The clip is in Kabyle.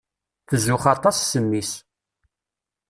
Tzuxx aṭas s mmi-s.